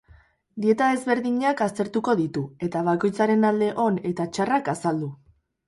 Dieta ezberdinak aztertuko ditu eta bakoitzaren alde on eta txarrak azaldu.